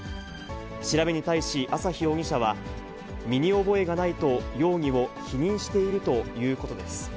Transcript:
調べに対し、朝日容疑者は、身に覚えがないと容疑を否認しているということです。